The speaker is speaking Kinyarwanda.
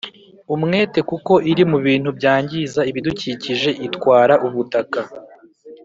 umwete kuko iri mu bintu byangiza ibidukikije itwara ubutaka,